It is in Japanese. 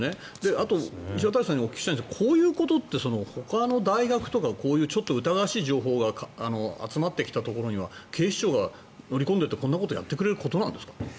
あと、石渡さんにお聞きしたいんですがこういうことってほかの大学とかこういうちょっと疑わしい情報が集まってきたところには警視庁が乗り込んでいってこんなことやってくれるものなんですか？